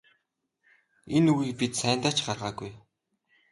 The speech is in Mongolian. Энэ үгийг бид сайндаа ч гаргаагүй.